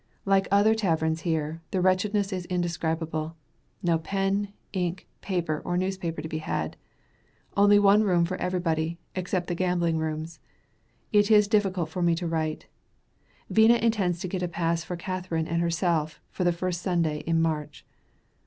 Like other taverns here, the wretchedness is indescribable; no pen, ink, paper or newspaper to be had; only one room for everybody, except the gambling rooms. It is difficult for me to write. Vina intends to get a pass for Catharine and herself for the first Sunday in March.